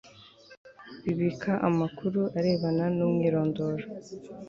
bibika amakuru arebana n umwirondoro